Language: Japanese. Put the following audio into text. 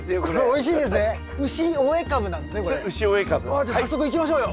ああじゃあ早速行きましょうよ。